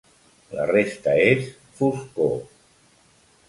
La resta és foscor.